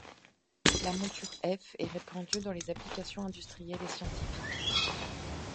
La monture F est répandue dans les applications industrielles et scientifiques.